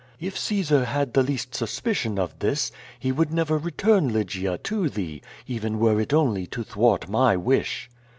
If Caesar had the least suspicion of this, he Mould never return Lygia to thee, even were it only to thwart my wish."